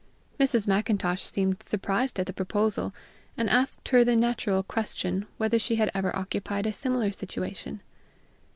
Mrs. Macintosh seemed surprised at the proposal, and asked her the natural question whether she had ever occupied a similar situation.